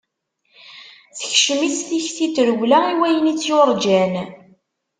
Tekcem-itt tikti n trewla i wayen i tt-yurǧan.